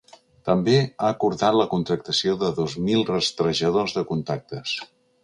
També ha acordat la contractació de dos mil rastrejadors de contactes.